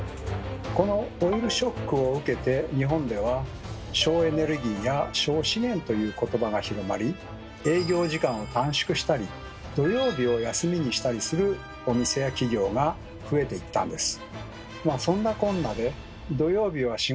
このオイルショックを受けて日本では「省エネルギー」や「省資源」という言葉が広まり営業時間を短縮したり土曜日を休みにしたりするお店や企業が増えていったんです。